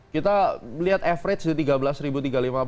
kita lihat average di tiga belas tiga ratus lima puluh